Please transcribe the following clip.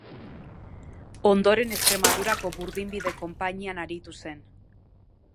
Ondoren Extremadurako burdinbide konpainian aritu zen.